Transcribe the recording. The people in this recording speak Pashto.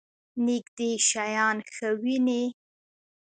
نږدې شیان ښه وینئ؟